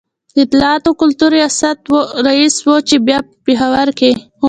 د اطلاعاتو کلتور رئیس و چي بیا په پېښور کي ومړ